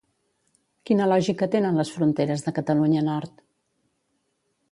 Quina lògica tenen les fronteres de Catalunya Nord?